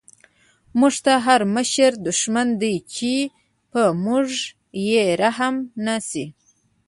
موږ ته هر مشر دشمن دی، چی په موږ یې رحم نه شی